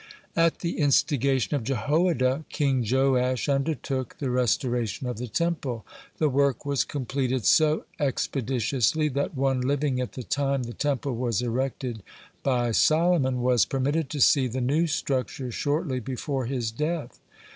(9) At the instigation of Jehoiada, King Joash undertook the restoration of the Temple. The work was completed so expeditiously that one living at the time the Temple was erected by Solomon was permitted to see the new structure shortly before his death.